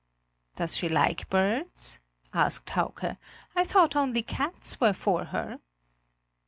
"Does she like birds?" asked Hauke; "I thought only cats were for her."